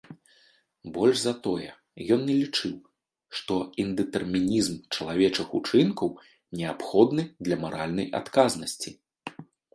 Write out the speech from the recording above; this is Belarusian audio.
Больш за тое, ён не лічыў, што індэтэрмінізм чалавечых учынкаў неабходны для маральнай адказнасці.